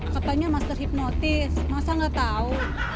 katanya master hipnotis masa gak tau